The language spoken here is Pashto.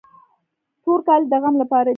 تور کالي د غم لپاره دي.